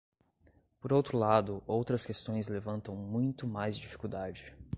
Por outro lado, outras questões levantam muito mais dificuldade.